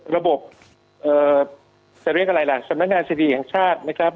ระบบเอ่อจะเรียกอะไรล่ะสำนักงานสถิติของชาตินะครับ